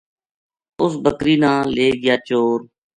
اُس بکری نا لے گیا چور